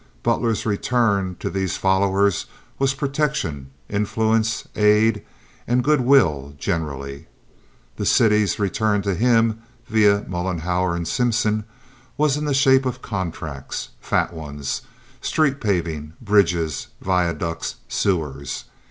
Butler's return to these followers was protection, influence, aid, and good will generally. The city's return to him, via Mollenhauer and Simpson, was in the shape of contracts—fat ones—street paving, bridges, viaducts, sewers.